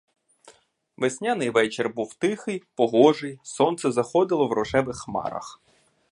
Весняний вечір був тихий, погожий, сонце заходило в рожевих хмарах.